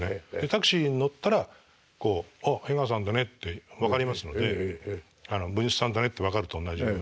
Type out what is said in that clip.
タクシーに乗ったらこう「あ江川さんだね」って分かりますので「文枝さんだね」って分かると同じように。